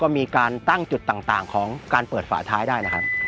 มีการตั้งจุดต่างของเปิดฝาท้ายได้